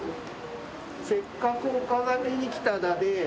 「せっかく岡崎に来ただで」